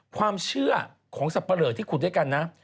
ความเชื่อของสับปะเหลอที่ขุดด้วยกันนะ